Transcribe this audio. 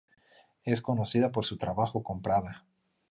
Es conocida por su trabajo con Prada.